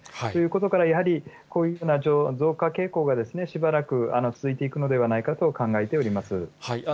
ということからやはり、こういうふうな増加傾向がしばらく続いていくのではないかと考えております。